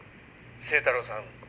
清太郎さん